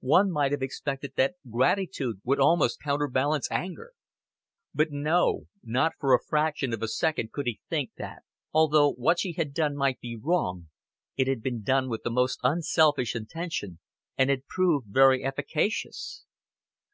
One might have expected that gratitude would almost counterbalance anger. But, no, not for a fraction of a second could he think that, although what she had done might be wrong, it had been done with the most unselfish intention and had proved very efficacious.